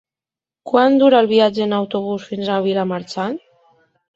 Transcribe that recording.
Quant dura el viatge en autobús fins a Vilamarxant?